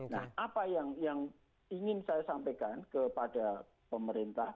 nah apa yang ingin saya sampaikan kepada pemerintah